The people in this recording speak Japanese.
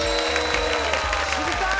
知りたい！